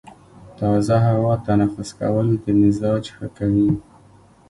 تازه هوا تنفس کول د مزاج ښه کوي.